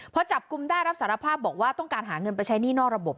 พอจับกลุ่มได้รับสารภาพบอกว่าต้องการหาเงินไปใช้หนี้นอกระบบ